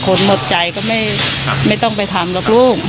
หมดใจก็ไม่ต้องไปทำหรอกลูก